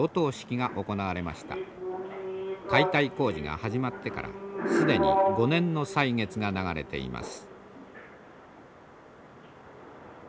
解体工事が始まってから既に５年の歳月が流れています。